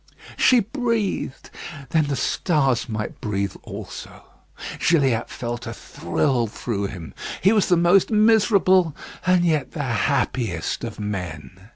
She breathed! then the stars might breathe also. Gilliatt felt a thrill through him. He was the most miserable and yet the happiest of men.